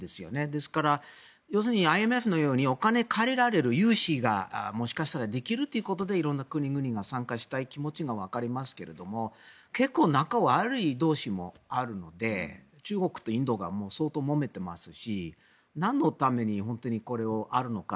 ですから、要するにＩＭＦのようにお金を借りられる融資がもしかしたらできるということで色んな国々が参加したい気持ちはわかりますけど結構、仲が悪い同士もあるので中国とインドが相当もめていますしなんのために本当にこれがあるのか。